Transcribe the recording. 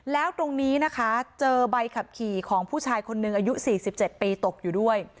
แล้วตรงนี้นะคะเจอใบขับขี่ของผู้ชายคนหนึ่งอายุ๔๗ปีตกอยู่ด้วย